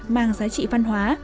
mang giá trị văn hóa